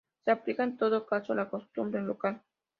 Se aplica, en todo caso, la costumbre local.